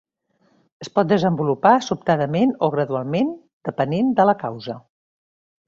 Es pot desenvolupar sobtadament o gradualment, depenent de la causa.